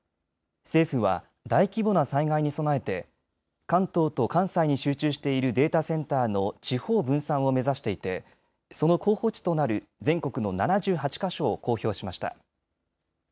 政府は大規模な災害に備えて関東と関西に集中しているデータセンターの地方分散を目指していてその候補地となる全国の７８か所を公表しました。